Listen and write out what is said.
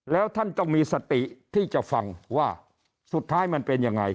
แล้วท่านต้องมีสติที่จะฟังว่าสุดท้ายมันเป็นยังไง